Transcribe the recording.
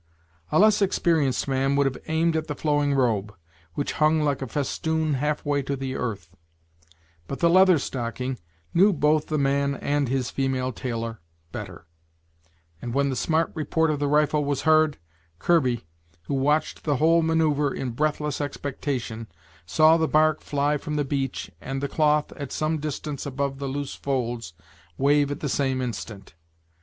A less experienced man would have aimed at the flowing robe, which hung like a festoon half way to the earth; but the Leather Stocking knew both the man and his female tailor better; and when the smart report of the rifle was heard, Kirby, who watched the whole manoeuvre in breath less expectation, saw the bark fly from the beech and the cloth, at some distance above the loose folds, wave at the same instant.